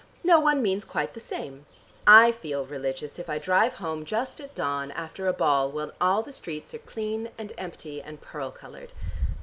No one means quite the same. I feel religious if I drive home just at dawn after a ball when all the streets are clean and empty and pearl colored.